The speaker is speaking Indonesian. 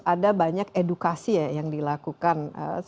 jadi kan keomelsin mungkin